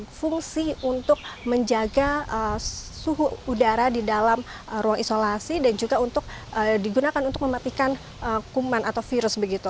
berfungsi untuk menjaga suhu udara di dalam ruang isolasi dan juga untuk digunakan untuk mematikan kuman atau virus begitu